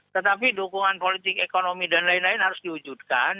tetapi dukungan politik ekonomi dan lain lain harus diwujudkan